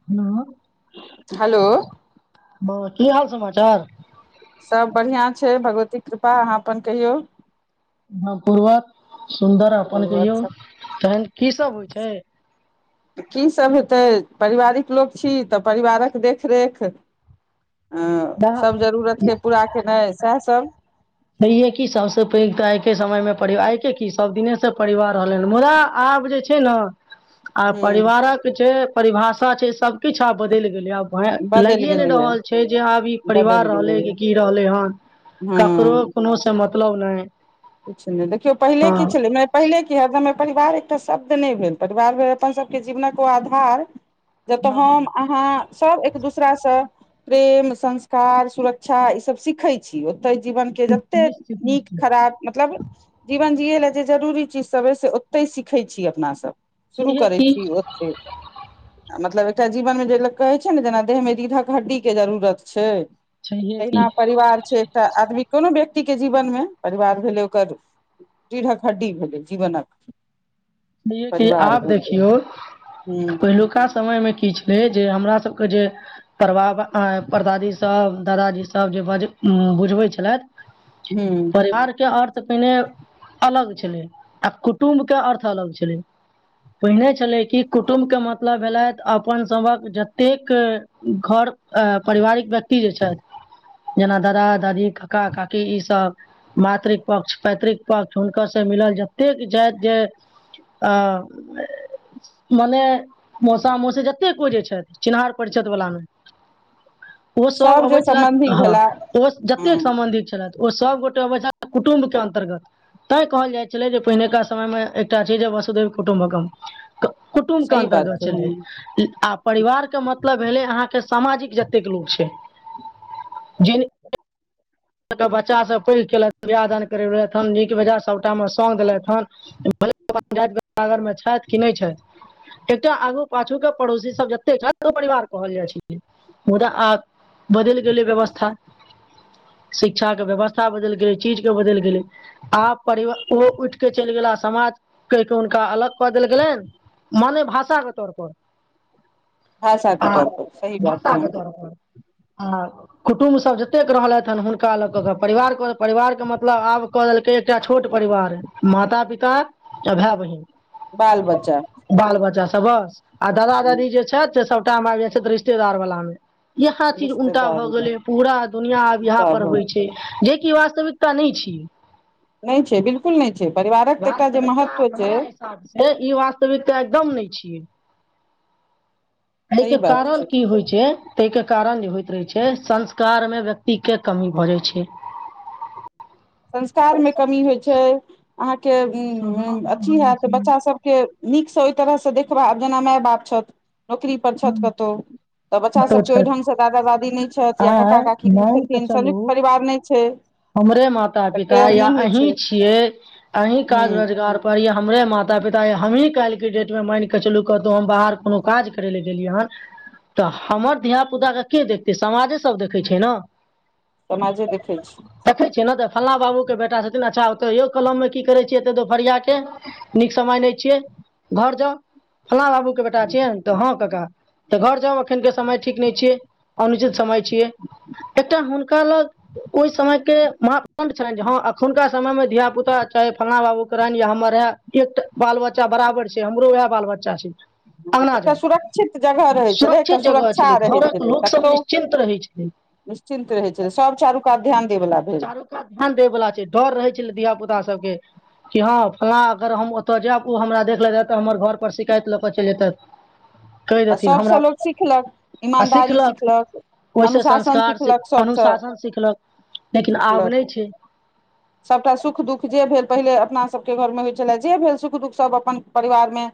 [unintelligible] Hello माँ की हाल समाचार सब बढ़िआँ छै भगवती कृपा अहाँ अपन कहियौ? हँ पूर्वज सुन्दर अपन और कहियौ सब तहन की सब होइ छै? की सभ हेतै पारिवारिक लोक छी तऽ परिवारक देखरेख हऽ दा- सभ जरूरत केँ पूरा केनाइ सेह सभ छहै की सबसे पैघ तऽ आइ केँ समय में परिवार आइकेँ की सभ दिने सँ परिवार रहलै ह मुदा आब जे छै न [inaudible] आ परिवारक जे परिभाषा छै। सभ किछ आब बदैल गेलै आब भै बदलि लागै नै गेलैए रहल छै जे आब ई बदलि परिवार रहले गेलैए कि की रहले हन। ककरो कोनो से मतलब नै किछ नै देखियौ पहिले की छलै न पहिने की हरदम परिवार एकटा शब्द नै भेल परिवार भेल अपन सभ केँ जीवनक ओ आधार। ज तऽ हँ हँ हम अहाँ सभ एक-दोसरासँ प्रेम संस्कार सुरक्षा ई सभ सीखै छी ओतै जीवन केँ जते निश्चित नीक निश्चित खराब मतलब जीवन जियै लए जे जरूरी चीजसभ अइ से ओतै सीखै छी अपना सभ। शुरू छैहे करै की छी ओते आ मतलब एकटा जीवन में जे लोक कहै छै न जेना देह में देह में रीड कऽ हड्डी केँ जरूरत छै छैहे की तहिना परिवार छै एकटा आदमी कोनो व्यक्ति केँ जीवन में परिवार भेलै ओकर [inaudible] पीढ़क हड्डी भेलै जीवनक नहियै कि परिवार आब भेलै देखिऔ [inaudible] हूँ पहिलुका समय में की छै छलै जे हमरा सब केँ जे पर बाबा परदादी सब दादाजी सब जे बज बुझबै छलै हूँ [unintelligible] अर्थ पहिने अलग छलै आ कुटुम कऽ अर्थ अलग छलै। पहिने छलै कि कुटुम्ब केँ मतलब भेलथि अपन सभ कऽ जतेक घर परिवारिक व्यक्ति जे छैथ जेना दादा दादी काका काकी ई सभ मातृकपक्ष पैतृक पक्ष हुनकरँ मिलल जतेक ई छथि जे आ मने मौसा मौसी जतेक को जे छथि चिन्हार परिचायत वला में ओ सभ अबै जे छलै सम्बन्धी हँ भेला ओ जतेक हूँ सम्बन्धित छलैथ ओ सभ गोटे अबै छल कुटुम्ब के अन्तर्गत तै कहल जाई छलै जे पहिनेका समय मे छै जे वसुधेव कुटुम्बकह कुटुम के सही बात अन्तर्गत छै छलै हूँ जे आब। परिवार के मतलब भेलै अहाँकेँ समाजिक जतेक लोक छै जै बच्चा सभ पढ़ि केलथि विवाह दान करेथि हन नीक बेजा सभटा मे से देलथि हन पञायर मे छैथ कि नहि छैथ। एकटा आगू पाछू के पड़ोसी सभ जते परिवार कहल जाइ छै मुदा आ बदैल गेलै व्यवस्था। शिक्षा कऽ के व्यवस्था बदलि गेल चीजके बदलि गेलै आब परिवार ओहो उठ के चलि गेला समाज के हुनका अलग कऽ देल गेलैन मने भाषा तोरपर। भाषा के आ तौर पर सही बात भासा है के तरपर। हँ कुटुम्ब सभ जतेक रहलथि हन हुन कऽ लऽ के परिवार कऽ परिवार के मतलब आब कऽ देलकै एकटा छोट परिवार माता पिता तऽ भेय बहिन बाल बच्चा। बाल बच्चा सभ बस आ दादा दादी जे छथि से सभटाइम आबि जाइ छथि रिश्तेदार बला मे यहा चीज उलटा रिश्तेदार भए गेले पूरा दुनिया आब यहा जेकि वास्तविकता नहि छीय नहि छै बिल्कूल नहि छै परिवारकऽ एकटा जे वास्तविकता महत्व छै हमरा ई वास्तविकता एकदम नहि छिये एहि सही के बात कारण छै कि होई छै तेय के कारण जे होइत रहे छै संस्कार मे व्यक्ति के कमी भऽ जाई छै संस्कारमे कमी होइत छै अहाँकेँ स्वभाव इ नहि अथी बनै हत बच्चा छै सभ क नीकसँ ओहि तरहसँ देखबा आब जेना माय बाप छथि नौकरी पर छथि कतहु तऽ बच्चा कतौ सभके ओहि छथि ढंगसँ दादा दादी नहि छथि या का आइ ककी नहि मान कऽ छथिन संयुक्त चलू परिवार नहि छै हमरे माता तऽ पिता केयर या नहि होइ अही छै छियै अही ह काज रोजगार परि हमरे माता पिता या हमही काल्हि के डेट मे मानिके चलू कतौ हम बाहर कोनो काज कर करै लए गेलियै ह तऽ हमर धियापुताके देखतै समाजे सभ देखैय छै ने समाजे देखै छी। देखै छियै ने तऽ फल्लाँ बाबू के बेटा छथिन अच्छा ओतहिय कलमे कि छियै एतऽ दोपहरिआके नीक समय ने छियै घर जाउ फला बाबू के बेटा छियै तऽ हँ का तऽ घर जाउ एखन के समय ठीक नहि छियै अनुचित समय छियै एकटा हुनका लग। ओहि समयके मापण्ड छलनि जे हँ एखुन कऽ समयमे धियापुता चाहे फल्लाँ बाबूके रहनि या हमर रहए एकटा बाल बच्चा बराबर छै हमरो वएह बाल बच्चा छै अंगना एतअ जाउ सुरकऽ शिक्षित जगह रहै छलै सुरक्षित एकटा जगह सुरक्षा छलै रहै घरक छले लोक सब कतहु निश्चिन्त रहै छलै निश्चिन्त रहे छै सभ चारू कात ध्यान दे वला भेल चारू कात ध्यान दे वाला छै डर रहै छलय घिया पुता सभके कि हँ फलाँ अगर हम ओतय जायब ओ हमरा देखलेतय तअ हमर घर पर शिकायत लऽ के चलि जैतैथ तऽ सभसँ लोक सिखलक ईमानदारी सिखलक ओहिसँ अनुशासन संस्कार सि- सिखलक सभसँ अनुशासन सिखलक लेकिन आब नहि सिखलकऽ छै सभटा सुख दुख जे भेल पहिले अपना सभके घरमे होई छलै जे भेल सुख दुख सभ अपन परिवारमे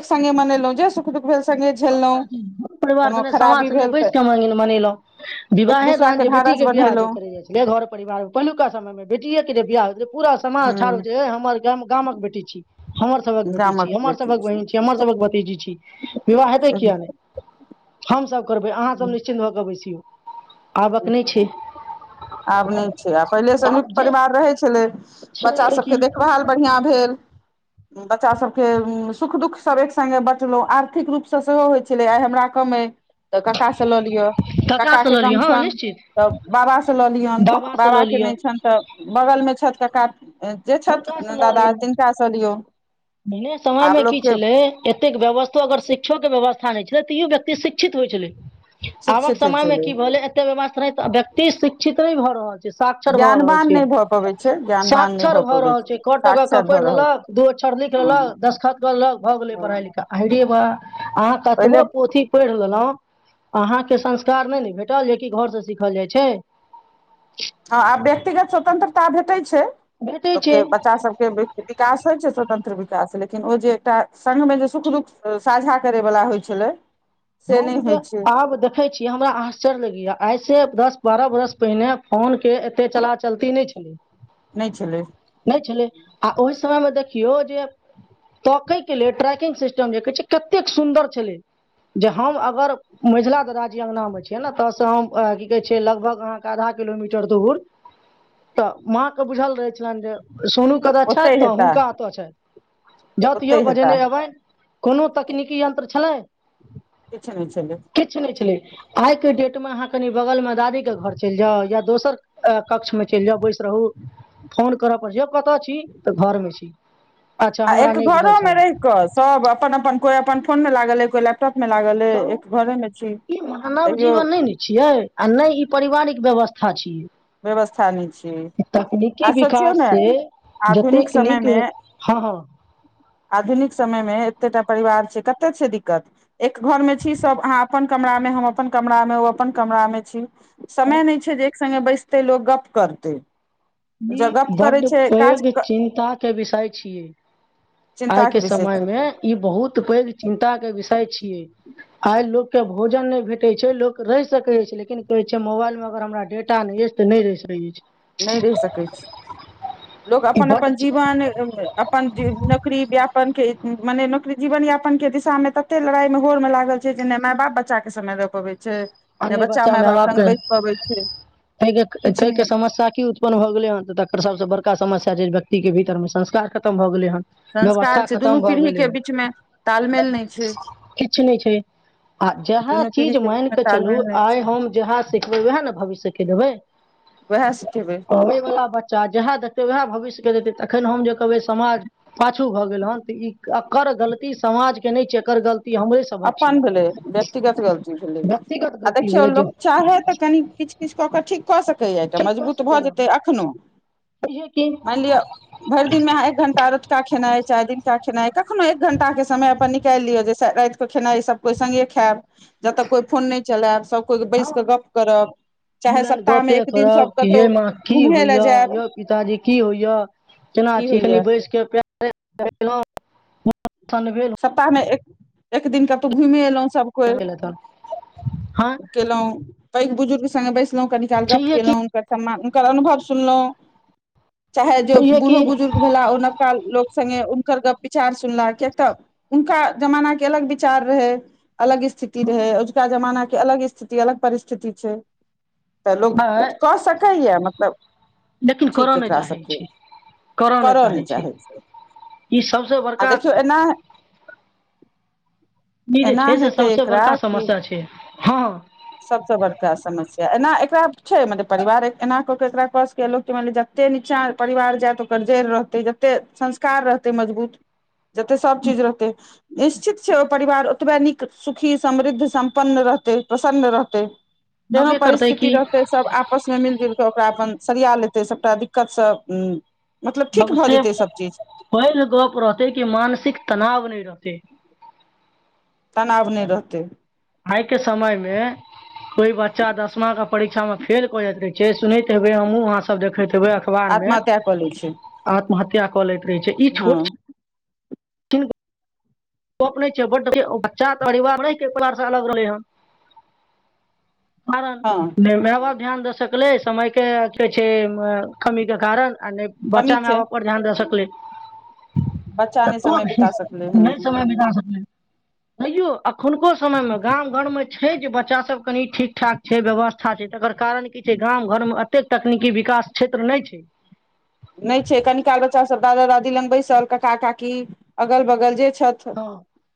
एक संगे मनेलहु जे सुख दुख भेल संगे। [inaudible] झेललहुँ परिवार कोनो संने समाज खराबी छलै भेल तऽ बैसकय मनेलौंह एक विवाहे दूसरा दान जे बेटी ढारस के विवाह जे बन्हेलहुँ करे जा छै बेघर परिवार पहिलुका समय मे बेटिए के जे बियाह हो पूरा समाज ठार होइ हूँ छै हमर गा गामक बेटी छी हमर सबक बेटी गामक छी हमर बेटी सबक बहिन छी हमर सबक भतीजी छी विवाह हेतै किए नहि हमसभ करबै अहाँसभ सही निश्चिन्त भऽ कऽ बैसियौ आबक नै छै आब नय छै आ पहिले आब संयुक्त जे परिवार रहै छलै बच्चा छलैहे सभके कि देखभाल बढ़ियाँ भेल बच्चा सब के सुख दुःख सब एक संगे बचलौ आर्थिक रूप से सेहो होइ छलै आइ हमरा कमे तऽ कक्का से लऽ लिय कक्का ककासँ के लऽ कम लिअ हँ छैन निश्चित तऽ बाबा लऽ लियौन बाबासँ लऽ बाबाके लिअ नय छैन तऽ बगलमे छथि कका जे छथि हुनकासँ लऽ दादा लिअ तिनकाँ सँ लियौन पहिने समय आब मे की लोकके छलै एतेक व्यवस्थो अगर शिक्षो के व्यवस्था नय छलै तैयो व्यक्ति शिक्षित होइ छलै आबक शिक्षित होइ समय में छलै की भेले एतेक व्यवस्था रहैत व्यक्ति शिक्षित नै भए रहल छै साक्षर भऽ रहल ज्ञानवान छै नहि भऽ पबै छै साक ज्ञानवान नहि क्षर भऽ भए पबै रहल छै क ट कऽकऽ साक्षर भऽ पैढ रहल छै लेलक दू अक्षर लिख हँ लेलक दसखत कऽ लेलक भऽ गेले हँ पढ़ाई लिखाई अएरे बा अहाँ पहिले कतबो पोथी पैढ़ लेलहुँ अहाँके संस्कार नय ने भेटल जेकि घरसँ सीखल जाइ छै हँ आब व्यक्तिगत स्वतंत्रता भेटै छै भेटै लोक छै के बच्चा सभ के विकास होय छै स्वतंत्र विकास लेकिन ओ जे एकटा संग में जे सुख दुःख साझा करै वला होइ छलै [inaudible] हम जे होइ छै आब देख देखै छी हमरा आश्चर्य लगैया आइसँ दस बारह बरस पहिने फोन के एते चला चलती नै छलै [inaudible] नै छलै नै छलै आ ओहि समय मे देखियौ जे तोकै के लेल ट्रैकिंग सिस्टम जे कह छै कतेक सुन्दर छलै जे हम अगर मझिला दादाजी अङ्गना मे छैियै ने ऐतऽसँ हम की कहै छै लगभग अहाँके आधा किलोमीटर दूर तऽ माँकेँ बुझल रहै छलनि जे सोनू कतय ओतै छैथ तऽ हेता हुनका ओतय छैथ जौ त यौ ओतै हेता बजेने एबनि कोनो तकनीकी यन्त्र छलै किछ ने छलै किछु नै छलै आइके डेटमे अहाँ कनि बगलमे दादीके घर चैल जाउ या दोसर कक्षमे चैल जाउ बैस रहू फोन करय पड़ हयौ कतय छी तऽ घरमे छी अच्छा हमरा नय बुझल छलेए क सब अपन अपन कोई अपन फोन में लागल अइ कोई लैपटॉप में लागल कहू एक घरे मे छी ई मानव तहियो जीवन नहि ने छियै आ ने ई पारिवारिक व्यवस्था व्यवस्था नहि छै छियै आ तकनीकी सोचियौ विकास ने से आधुनिक जतेक समय नीक मे भे हँ हँ आधुनिक समय मे एते टा परिवार छै कते छै दिक्कत एक घर मे छी सब अहाँ अपन कमरा मे हम अपन कमरा मे ओ अपन कमरा मे छी समय नै छै जे एक सङ्गे बैसतै लोक गप करतै ज ई गप करै बड्ड छै काज पैघ चिन्ताके विषय छियै चिन्ता आइके के विषय समय छै मे ई बहुत पैघ चिन्ता के विषय छियै आइ लोकके भोजन नै भेटै छै लोक रहि सकै अछि लेकिन कहै छै मोबाइलमे अगर हमरा डेटा नै अछि तऽ नै रहि सकै छै नै रहि सकै छी लोक ई अपन -अपन बड्ड जीवन अपन ज नौकरी व्यापन के मने नौकरी जीवन यापन के दिशा मे तते लड़ाई मे होर मे लागल छै जे ने माय बाप बच्चा के समय द पाबय छै आ ने नै बच्चा माय माए बाप लग बापके बैस पबै छै किछु तयके नहि समस्या की उत अपन भ गेलै हन तकर सबस बड़का समस्या जे व्यक्ति के भीतर मे संस्कार खतम भए गेलै हन व्यवस्था संस्कार छै खतम दुनू भऽ पीढ़ी गेलै के हन बीच मे तालमेल नहि छै किछ नै छै आ जहाँ दुनू चीज पीढ़ी के बीच मैंनक मे चलू तालमेल नहि छै आइ हम जेहए सिखबै उएहे ने भविष्यके देबै उएह सिखेबै आबैवला बच्चा जएह देखतै वएह भविष्यके देतै तखन हम जे कहबै समाज पाछू भऽ गेल हन तऽ ई एकर गलती समाज के नै छै एकर गलती हमरे स अपन भेलै व्यक्तिगत गलती भेलै व्यक्तिगत आ गलती देखियौ भेलै लोक जे चाहे तऽ कनि किछ किछ कऽ क ठीक कऽ सकैया एटा ठीक कऽ मजबूत भऽ सकैए जेतै एखनो बुझियै कि मानि लिअ भरि दिनमे अहाँ एक घंटा रतुका खेनाइ चाहे दिनका खेनाइ कखनो एक घंटाके समय अपन निकैल लिय जय स राइत खेनाइ सब कोइ सङ्गे खैब जबतक कोइ फोन नै चलएब सब कोइ बैस कऽ हँ गप करब। दू चाहे लाइन सप्ताह गपे मे एक दिन करब सब कि यै माँ की कतहु घुमहे लए होइया जायब यै पिताजी की होइय केना की छी कनी होइया बैसक पै [unintelligible] सप्ताहमे एक एक दिन कतहु घुमे एलौं सब कोय तहन हँ केलौं पैघ बुजुर्ग सङ्गे बैसलौं कनि काल गप्प छैहे की केलौं हुनक सम्मान हुनकर अनुभव सुनलौं चाहे जो छैहे की बूढ़ो बुजुर्ग भेला ओ नव लोक संगे उनकर गप विचार सुनलाह कियकत उनका जमानाके अलग विचार रहै। अलग स्थिति रहै अजुका जमानाके अलग स्थिति अलग परिस्थिति छै। तऽ लोक हँ कऽ सकैया मतलब लेकिन करऽ ठीक नै एकरा चाहै सबके छै करय नै चाहै छै ई सबसे आ बड़का देखियौ एना ई जे एना छै से हेतै सबसे एकरा बड़का कि समस्या छै हँ सबसँ बड़का समस्या एना एकरा छै मतलब परिवार एना कऽ कऽ एकरा कऽ सकया लोक मानि लिय जते नीचाँ परिवार जायत ओकर जड़ि रहतै जतेक संस्कार रहतै मजबूत जते सब चीज रहतै निश्चित छै ओ परिवार ओतबए नीक सुखी, समृद्ध, सम्पन्न, रहतै प्रसन्न रहतै केहनो नबे करतै परिस्थिति की रहतय स सब आपसमे मिल जुलि कऽ ओकरा अपन सरिया लेतै सबटा दिक्कतसँ सब उम मतलब ठीक भऽ सबसे जेतै सब चीज। पैघ गप रहतै कि मानसिक तनाव नै रहतै। तनाव नै रहतै आइ के समय मे कोइ बच्चा दसमा के परीक्षा मे फेल कऽ जाइत रहै छै सुनैत हेबे हमहूँ आहाँ सब सब देखैत हेबे अखबार मे आत्महत्या कऽ लै छै आत्महत्या कऽ लैत रहै छै ई हँ छोट गप नहि छै बच्चा परिवार [unintelligible] परिवार अलग रहलै हन कारन हँ नै मए बाप ध्यान दे सकलै कले समयके कहै छै कमी के कारण आ नै कमी बच्चा मै छै बाप पर ध्यान दे सकलै बच्चा नहि समय बिता सकलै नै हँ समय बच्चा सभके तयौ अखुनको समयनमे गाम घरबमे छै जे बच्चा सभ कनि ठीक ठाक छै व्यवस्था अच्छा छै तकर कारण कि छै गाम घर मे एतेक तकनी कि विकास क्षेत्र नहि छै। नइ छै कनि काल बच्चा सभ दादा दादी लंग बैसल काका काकी अगल बगल जे छथ। हँ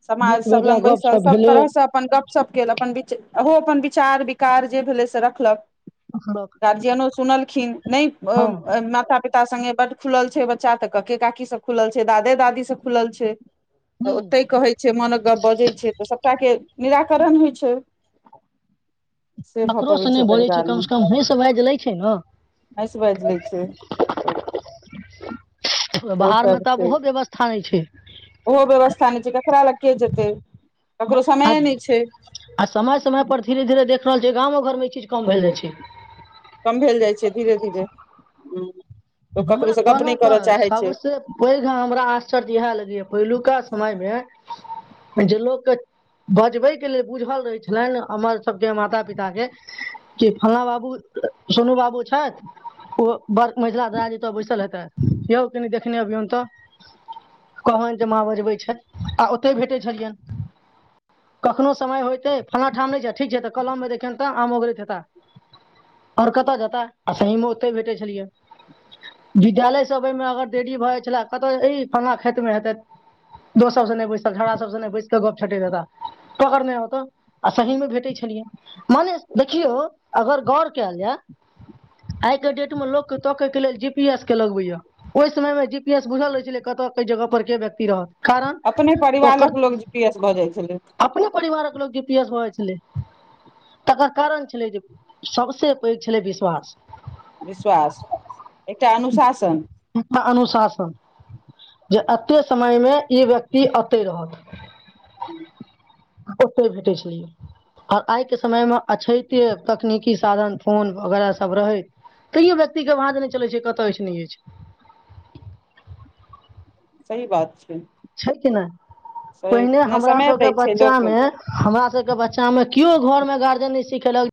समाज नीक सभ लग बेजाय बैसल गपशप सभ भेलै तरहसँ अपन गपशप केल अपन विच ओहो अपन विचार विकार जे भेलै से एखनक रखलकऽ गार्जियनो सुनलखिन्ह नै हँ अ आ ता संगे बड खुल छै बच्चा तै कके-काकी से खुलल छै, दादे दादी से खुलल छै। त हुँ ओतय कहै छै मौनक गप बजै छै तै सभटा के निराकरण होय छै। भऽ ककरो पबै से नै बजै परिवार छै कम से कम हंस बाएज लै छै न हैस बाइज लय छै। से बहार मे सब तऽ आब छै ओहो व्यवस्था नहि छै। ओहो व्यवस्था नहि छै केकरा लग के जेते आ समय समय पर धीरे- धीरे देख रहल छै गामो घर मे ई चीज कम भेल जाई छै। कम भेल जाई छै धीरे धीरे। तऽ ककरो हमरा से गप कहलौ नहि तै करय चाहै छै सभसे वही हमरा आश्चर्ज इहे लगय यै पहिलुका समय मे जे लोक के बजबै के लेलनबुझल रहै छलैन हमर सभके माता-पिता के कि फलना बाबू, सोनू बाबू छैथ ओ बड़ मैझलऽ राज ऐता बैसल हेतै यौ कनि देखने अभियौन तऽ कहबैन जे माँ बजबै छैथ आ ओते भेटै छलयैन कखनो समय होयते फलना ठाम नै छै ठीक छै तै कलम में देखहियैन ते आम ओगरैत हेता। और कता जता आ सही मे ओते भेटे छलियै। विद्यालय से आबे मे अगर देरी भऽ जाए छले कता ई फल्लना खेत मे हेतै। दोस सभ संगे नै सभसे नै बैस के गप छटेत हेता, पकड़ना आउ तै। आ सही मे भेटै छलियै मने देखियौ अगर गौर कैल जाय आइ के डेट मे लोक के तके के लेलऽ जी पी एस के लगबै यै। ओय समय मे जी पी एस बुझल रहे छलै कता के जगह पर के व्यक्ति रहत। कारण अपने परिवार लऽ ओकर के लोग जी पी एस भऽ जाई छलै। अपने परिवारक लोक जी पी एस भऽ जाए छलै। तकर कारण छलै जे सभसे पैघ छलै विश्वास। विश्वास एकटा अनुशासन। उम्म अनुशासन जे एते समय मे ई व्यक्ति एते रहत ओते भेटय छलिए। आ आइ के समय मे अछेतै तकनीकी साधन फोन वगैरा सभ रहै तैयो व्यक्ति के भाज नै चलय छै कता जाय छै नै जाए छै। सही बात छै। छै कि नै सही पहिने ने हमरा समय सभके दै छै बच्चा लोक मे हमरा सभके बच्चा मे कियो घर मे गार्जन नै सिखेलक